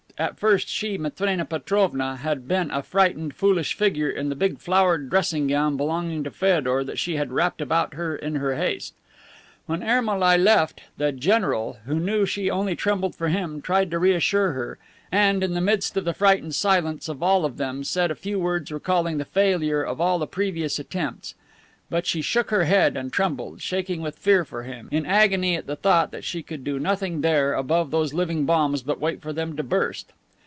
At first she, Matrena Perovna, had been a frightened, foolish figure in the big flowered dressing gown belonging to Feodor that she had wrapped about her in her haste. When Ermolai left, the general, who knew she only trembled for him, tried to reassure her, and, in the midst of the frightened silence of all of them, said a few words recalling the failure of all the previous attempts. But she shook her head and trembled, shaking with fear for him, in agony at the thought that she could do nothing there above those living bombs but wait for them to burst.